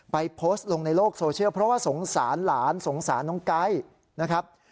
โพสต์ลงในโลกโซเชียลเพราะว่าสงสารหลานสงสารน้องไก๊นะครับ